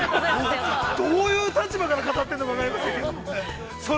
◆どういう立場から語っているのか分かりませんけど。